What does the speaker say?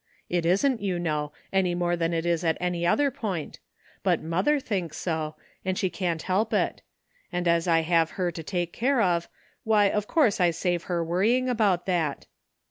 It isn't, you know, any more than it is at any other point, but mother thinks so, and she can't help it ; and as I have her to take care of, why, of course I save her worrying about that.